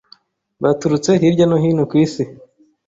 baturutse hirya no hino ku Isi